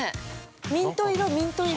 ミント色、ミント色。